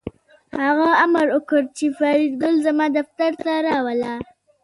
هغه امر وکړ چې فریدګل زما دفتر ته راوله